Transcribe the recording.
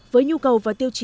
với nhu cầu và tiêu chuẩn